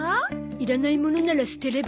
いらないものなら捨てれば？